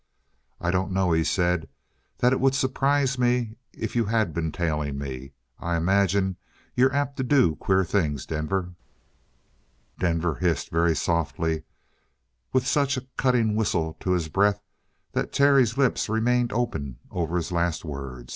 "I don't know," he said, "that it would surprise me if you had been tailing me. I imagine you're apt to do queer things, Denver." Denver hissed, very softly and with such a cutting whistle to his breath that Terry's lips remained open over his last word.